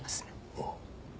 ああ。